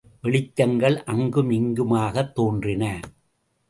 வெளிச்சங்கள் அங்குமிங்குமாகத் தோன்றின.